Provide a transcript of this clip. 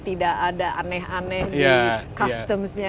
tidak ada aneh aneh di customs nya